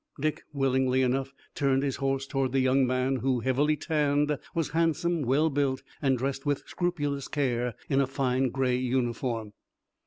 Dick, willing enough, turned his horse toward the young man who, heavily tanned, was handsome, well built and dressed with scrupulous care in a fine gray uniform.